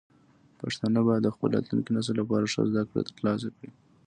پښتانه باید د خپل راتلونکي نسل لپاره ښه زده کړې ترلاسه کړي.